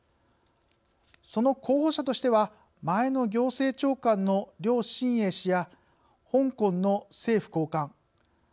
その候補者としては前の行政長官の梁振英氏や香港の政府高官